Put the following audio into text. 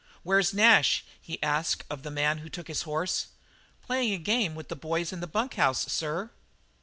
"Where's Nash?" he asked of the man who took his horse. "Playing a game with the boys in the bunk house, sir."